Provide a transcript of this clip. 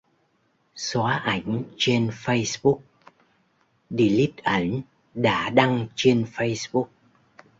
Xoá ảnh trên Facebook, delete ảnh đã đăng trên Facebook